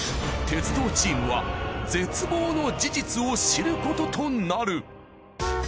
鉄道チームは絶望の事実を知ることとなる！